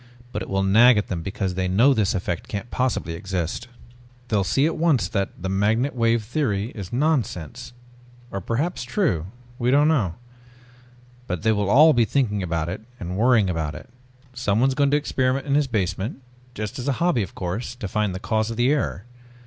But it will nag at them because they know this effect can't possibly exist. They'll see at once that the magnetic wave theory is nonsense. Or perhaps true? We don't know. But they will all be thinking about it and worrying about it. Someone is going to experiment in his basement just as a hobby of course to find the cause of the error.